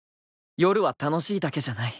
夜は楽しいだけじゃない］